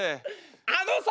あのさ！